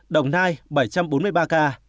đồng nai bảy trăm bốn mươi ba ca